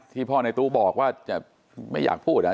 ที่พ่อในตู้บอกว่าไม่อยากพูดนะ